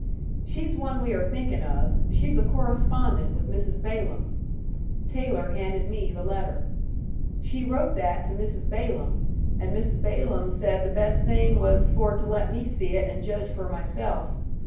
"She's one we are thinking of. She's a correspondent with Mrs. Balaam." Taylor handed me the letter. "She wrote that to Mrs. Balaam, and Mrs. Balaam said the best thing was for to let me see it and judge for myself.